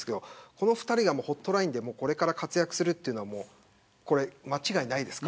この２人がホットラインでこれから活躍するこれは間違いないですか。